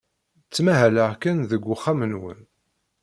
Ttmahaleɣ kan deg uxxam-nwen.